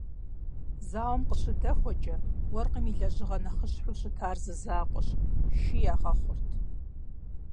Зауэм къыщыдэхуэкӀэ, уэркъым и лэжьыгъэ нэхъыщхьэу щытар зы закъуэщ – шы ягъэхъурт.